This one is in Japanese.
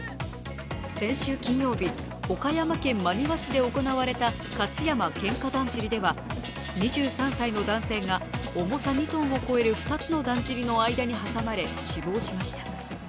先週金曜日、岡山県真庭市で行われた勝山喧嘩だんじりでは２３歳の男性が重さ２ｔを超える２つのだんじりの間に挟まれ死亡しました。